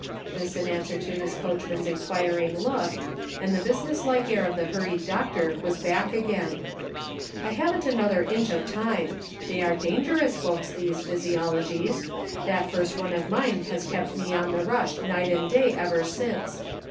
This, in answer to his coachman's inquiring look, and the business like air of the hurried doctor was back 194 HAPPENINGS. again. " I haven't another inch of time ; they are dangerous books, these physiologies ; that first one of mine has kept me on the rush night and day ever since.